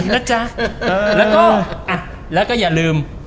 นะจ๊ะแล้วก็อย่าลืม